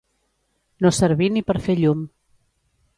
No servir ni per fer llum.